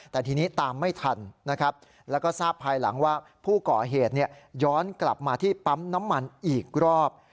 แต่ทีนี้ตามไม่ทันนะครับแล้วก็ทราบภายหลังว่าผู้ก่อเหตุย้อนกลับมาที่ปั๊มน้ำมันอีกรอบ